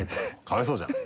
かわいそうじゃん。